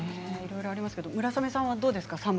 いろいろありますけれども村雨さんはどうですか？